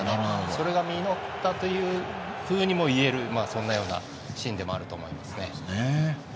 それが実ったというふうにも言えるそんなようなシーンでもそうですね。